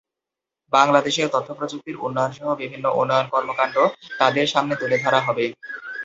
বাংলাদেশের তথ্যপ্রযুক্তির উন্নয়নসহ বিভিন্ন উন্নয়ন কর্মকাণ্ড তাঁদের সামনে তুলে ধরা হবে।